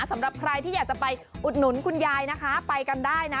สำหรับใครที่อยากจะไปอุดหนุนคุณยายนะคะไปกันได้นะ